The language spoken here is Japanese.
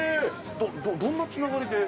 どんなつながりで？